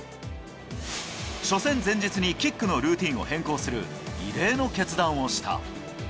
初戦前日にキックのルーティンを変更する、異例の決断をした。